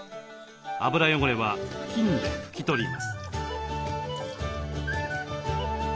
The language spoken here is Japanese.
油汚れは布巾で拭き取ります。